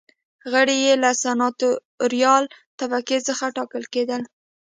غړي یې له سناتوریال طبقې څخه ټاکل کېدل.